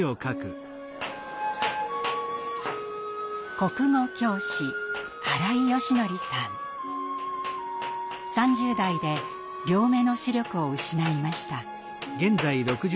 国語教師３０代で両目の視力を失いました。